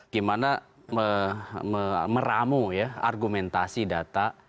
gimana meramu ya argumentasi data